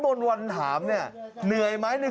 คำนวณเจอยังไหมครับคำนวณเจอยังไหมครับ